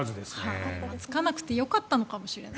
つかなくてよかったのかもしれない。